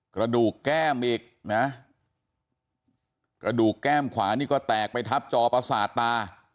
กระดูกแก้มอีกนะกระดูกแก้มขวานี่ก็แตกไปทับจอประสาทตา